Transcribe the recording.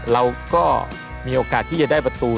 เราก็มีโอกาสที่จะได้ประตู